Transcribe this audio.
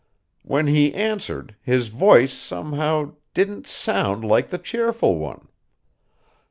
When he answered, his voice, somehow, didn't sound like the cheerful one.